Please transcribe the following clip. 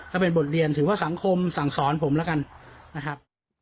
ถ้าเป็นบทเรียนถือว่าสังคมสั่งสอนผมแล้วกันนะครับ